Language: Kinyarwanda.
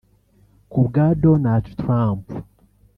Ku bwa Donald Trump